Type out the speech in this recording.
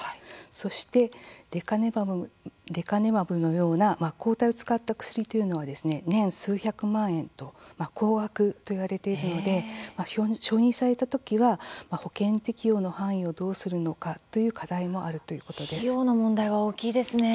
そして、レカネマブのような抗体を使った薬というのは年数百万円と高額といわれているので承認された時は保険適用の範囲をどうするのか費用の問題は大きいですね。